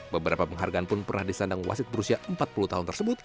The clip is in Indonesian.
beberapa penghargaan pun pernah disandang wasit berusia empat puluh tahun tersebut